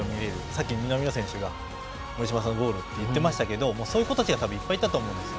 さっき南野選手が森島さんのゴールって言っていましたけどそういう人たちがいっぱいいたと思います。